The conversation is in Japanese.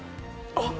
あっ！